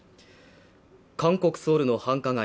韓国ソウルの繁華街